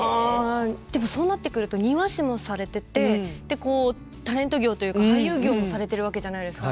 そうなってくると庭師もされていてタレント業というか俳優業もされているじゃないですか。